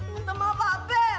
minta mabah apa